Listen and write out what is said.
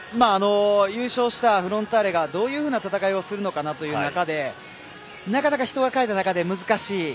優勝したフロンターレがどういうふうな戦いをするのかなという中でなかなか人が欠いた中で難しい。